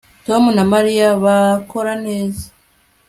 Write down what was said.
Tom na Mariya bakora neza